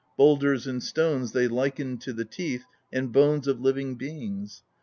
Boulders and stones they likened to the teeth and bones of living beings.